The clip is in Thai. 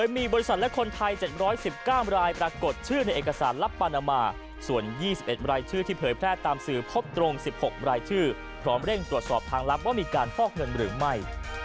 มีบริษัทและคนไทย๗๑๙รายปรากฏชื่อในเอกสารลับปานามาส่วน๒๑รายชื่อที่เผยแพร่ตามสื่อพบตรง๑๖รายชื่อพร้อมเร่งตรวจสอบทางลับว่ามีการฟอกเงินหรือไม่